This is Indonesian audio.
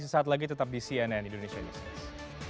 sesaat lagi tetap di cnn indonesia newscast